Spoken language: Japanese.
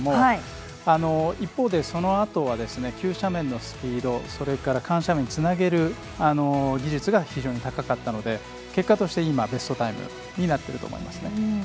一方で、そのあとは急斜面のスピードそれから緩斜面につなげる技術が非常に高かったので結果としてベストタイムになっていると。